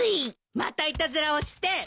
またいたずらをして。